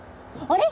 あれ？